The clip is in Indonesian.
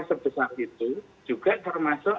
sebesar itu juga termasuk